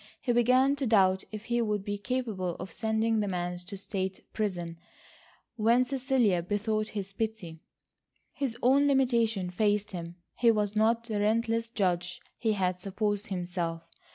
He began to doubt if he would be capable of sending the man to state's prison when Cecilia besought his pity. His own limitations faced him. He was not the relentless judge he had supposed himself.